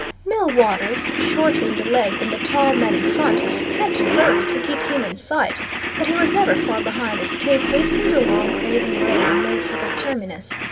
Millwaters, shorter in the leg than the tall man in front, had to hurry to keep him in sight, but he was never far behind as Cave hastened along Craven Road and made for the terminus.